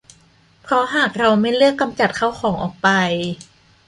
เพราะหากเราไม่เลือกกำจัดข้าวของออกไป